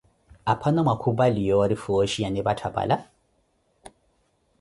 Aphano mwakhupali yoori fooxhi yanipattha pala!